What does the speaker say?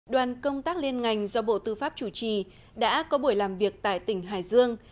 đoàn công tác liên ngành do bộ tư pháp chủ trì đã có buổi làm việc tại tỉnh hải dương